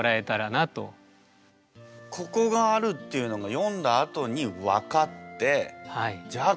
ここがあるっていうのが読んだあとに分かってじゃあ